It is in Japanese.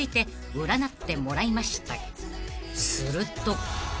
［すると］